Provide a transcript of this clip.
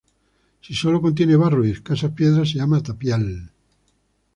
Si solo contiene barro y escasas piedras se llama "tapial".